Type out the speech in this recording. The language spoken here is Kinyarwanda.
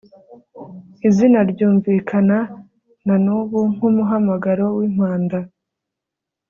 Izina ryumvikana na nubu nkumuhamagaro wimpanda